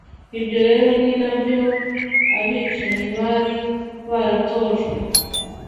Ibyo rero ni nabyo abicanyi bari baratojwe